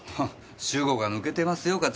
主語が抜けてますよ課長。